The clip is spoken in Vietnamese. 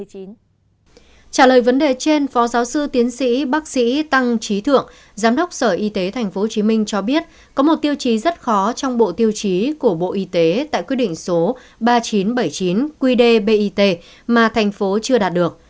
trả lời vấn đề trên phó giáo sư tiến sĩ bác sĩ tăng trí thượng giám đốc sở y tế tp hcm cho biết có một tiêu chí rất khó trong bộ tiêu chí của bộ y tế tại quyết định số ba nghìn chín trăm bảy mươi chín qd bit mà thành phố chưa đạt được